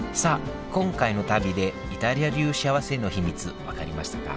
今回の旅でイタリア流しあわせの秘密分かりましたか？